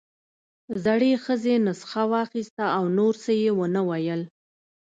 زړې ښځې نسخه واخيسته او نور څه يې ونه ويل.